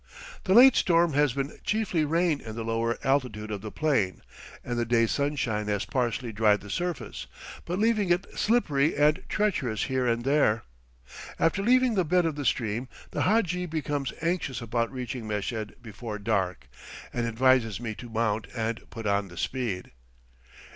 The late storm has been chiefly rain in the lower altitude of the plain, and the day's sunshine has partially dried the surface, but leaving it slippery and treacherous here and there. After leaving the bed of the stream the hadji becomes anxious about reaching Meshed before dark, and advises me to mount and put on the speed.